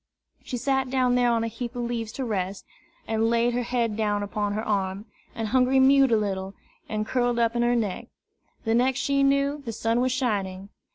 She sat down there on a heap of leaves to rest, and laid her head down upon her arm, and Hungry mewed a little, and curled up in her neck. The next she knew, the sun was shining.